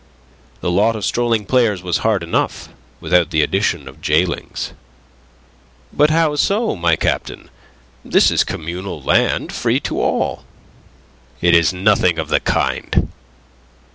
The lot of strolling players was hard enough without the addition of gaolings. "But how so, my captain? This is communal land free to all." "It is nothing of the kind."